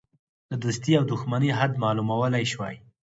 د دوستی او دوښمنی حد معلومولی شوای.